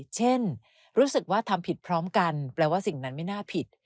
เช่นรู้สึกว่าทำผิดพร้อมกันแปลว่าสิ่งนั้นไม่น่าผิด